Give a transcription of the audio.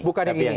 bukan yang ini